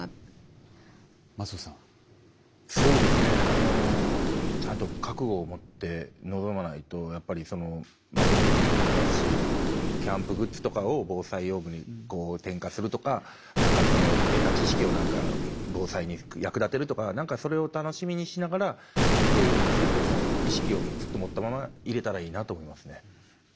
あのちゃんと覚悟を持って臨まないと守るべき人もいますしキャンプグッズとかを防災用具に転化するとか得た知識を防災に役立てるとかそれを楽しみにしながらずっと意識を持ったままいれたらいいなと思いますね。